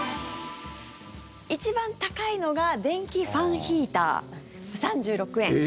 一番高いのが電気ファンヒーター、３６円。